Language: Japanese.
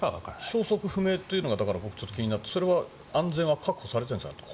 消息不明っていうのが気になって安全は確保されてるんですか？